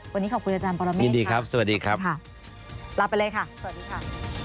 วันนี้ขอบคุณอาจารย์ปรเมฆยินดีครับสวัสดีครับค่ะลาไปเลยค่ะสวัสดีค่ะ